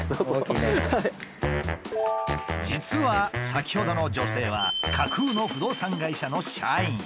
実は先ほどの女性は架空の不動産会社の社員。